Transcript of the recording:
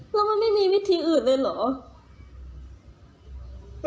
แล้วมันไม่มีวิธีอื่นเลยเหรอ